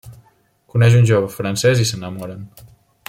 Coneix un jove francès i s’enamoren.